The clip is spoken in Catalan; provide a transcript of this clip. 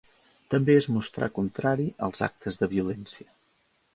També es mostrà contrari als actes de violència.